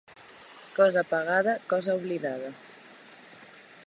Cosa pagada, cosa oblidada.